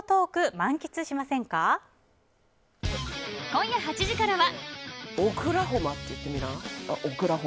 今夜８時からは。